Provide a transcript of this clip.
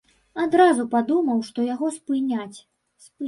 Адразу падумаў, што яго спыняць.